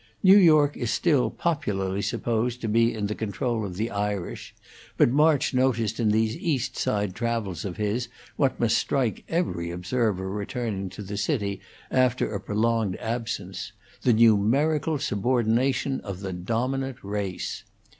New York is still popularly supposed to be in the control of the Irish, but March noticed in these East Side travels of his what must strike every observer returning to the city after a prolonged absence: the numerical subordination of the dominant race.